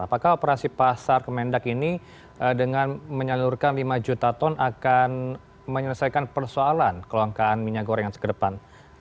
apakah operasi pasar kemendak ini dengan menyalurkan lima juta ton akan menyelesaikan persoalan kelangkaan minyak goreng ke depan